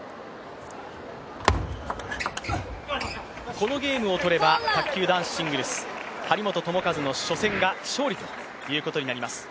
このゲームをとれば卓球男子シングルス張本智和の初戦が勝利ということになります。